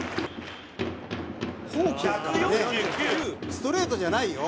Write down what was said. ストレートじゃないよ」